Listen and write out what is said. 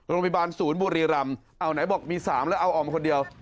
โรงพยาบาลศูนย์บุรีรำเอาไหนบอกมี๓แล้วเอาออกมาคนเดียว